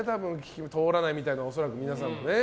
通らないみたいなの、皆さんもね。